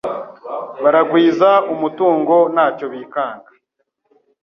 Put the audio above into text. baragwiza umutungo nta cyo bikanga